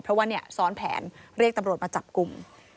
เพราะว่าซ้อนแผนเรียกตำรวจมาจับกุม